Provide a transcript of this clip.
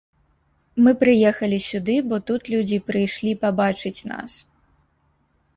Мы прыехалі сюды, бо тут людзі прыйшлі пабачыць нас.